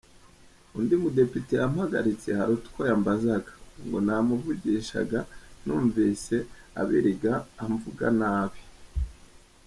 Undi mudepite yampagaritse hari utwo yambazaga, ubwo namuvugishaga, numvise Abiriga amvuga nabi.